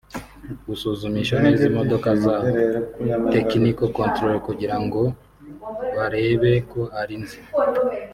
Gusuzumisha neza imodoka zabo (technical control) kugira ngo barebe ko ari nzima